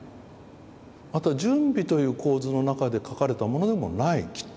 あとは準備という構図の中で描かれたものでもないきっと。